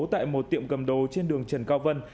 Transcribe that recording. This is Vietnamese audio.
tại một tiệm cầm đồ trên đường trần cao vân